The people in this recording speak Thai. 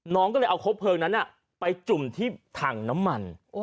น้องก็เลยเอาครบเพลิงนั้นไปจุ่มที่ถังน้ำมัน